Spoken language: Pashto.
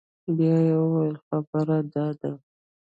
بيا يې وويل خبره دا ده.